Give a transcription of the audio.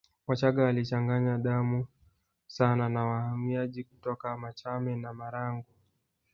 Wachaga walichanganya damu sana na wahamiaji toka Machame na Marangu